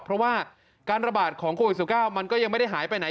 เพราะว่าการระบาดของโควิด๑๙มันก็ยังไม่ได้หายไปไหน